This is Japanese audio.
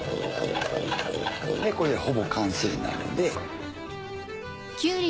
これでほぼ完成なので。